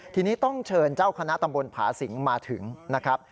ทีนี้ต้องเชิญเจ้าคณะตำบลผาสิงมาถึงนะครับ